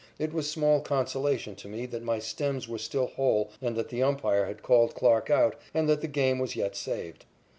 It was small consolation to me that my stems were still whole and that the umpire had called Clarke out and that the game was yet saved.